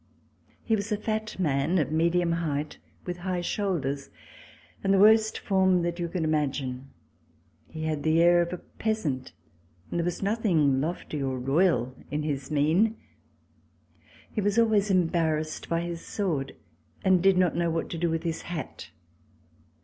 He was a fat man of medium height, with high shoulders and the worst form that you could imagine. He had the air of a peasant, and there was nothing lofty or royal in his mien. He was always embarrassed by his sword and did not know what to do with his hat.